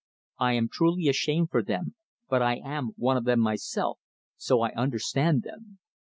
I am truly ashamed for them, but I am one of them myself, so I understand them.